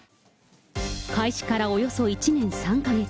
開始からおよそ１年３か月。